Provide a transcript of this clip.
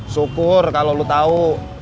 syukur kalau lu tau